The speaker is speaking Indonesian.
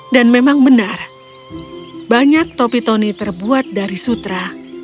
dan memang benar banyak topi tony terbuat dari sutra